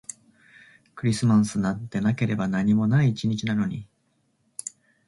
クリスマスなんてなければ何にもない一日なのに